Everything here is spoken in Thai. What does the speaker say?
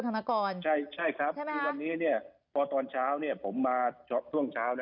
ดรธนกรณ์ใช่ครับวันนี้พอตอนเช้าผมมาช่วงเช้า